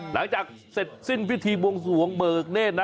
หลังจากเสร็จสิ้นพิธีบวงสวงเบิกเนธนะ